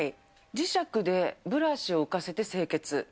磁石でブラシを浮かせて清潔。